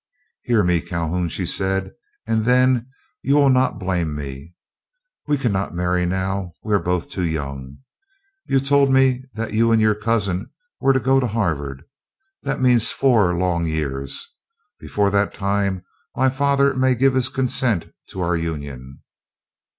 "Hear me, Calhoun," she said, "and then you will not blame me. We cannot marry now, we are both too young. You told me that you and your cousin were to go to Harvard. That means four long years. Before that time my father may give his consent to our union."